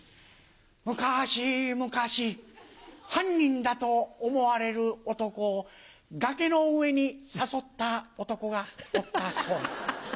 むかしむかし犯人だと思われる男を崖の上に誘った男がおったそうな。